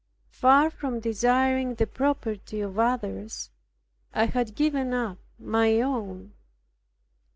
Far from desiring the property of others, I had given up my own.